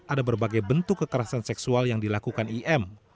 ada berbagai bentuk kekerasan seksual yang dilakukan im